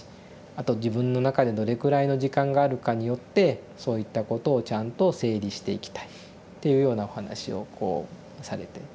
あと自分の中でどれくらいの時間があるかによってそういったことをちゃんと整理していきたい」っていうようなお話をこうされて。